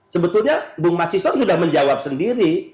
sebetulnya bung mas ison sudah menjawab sendiri